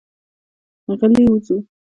غلي وځو.